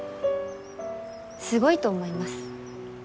すごいと思います。